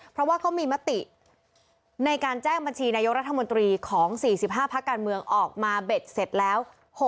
เพราะว่าเขามีมติในการแจ้งบัญชีนายกรัฐมนตรีของ๔๕พักการเมืองออกมาเบ็ดเสร็จแล้ว